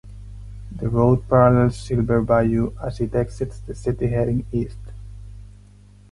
The road parallels Silver Bayou as it exits the city heading east.